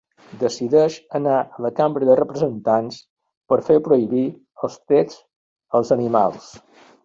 Decideix anar a la Cambra de representants per fer prohibir els tests als animals.